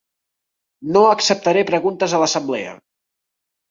No acceptaré preguntes de l'assemblea.